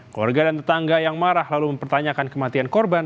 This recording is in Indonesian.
keluarga dan tetangga yang marah lalu mempertanyakan kematian korban